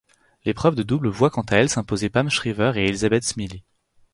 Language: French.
L'épreuve de double voit quant à elle s'imposer Pam Shriver et Elizabeth Smylie.